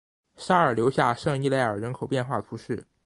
沙尔留下圣伊莱尔人口变化图示